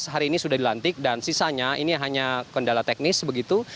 tujuh belas hari ini sudah dilantik dan sisanya ini hanya kendala teknis begitu